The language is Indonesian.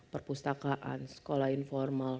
perpustakaan sekolah informal